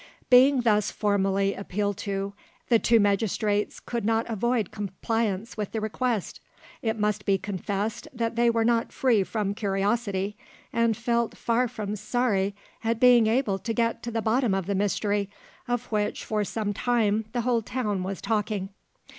Being thus formally appealed to, the two magistrates could not avoid compliance with the request. It must be confessed that they were not free from curiosity, and felt far from sorry at being able to get to the bottom of the mystery of which for some time the whole town was talking.